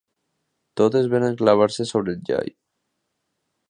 Totes varen clavar-se sobre el jai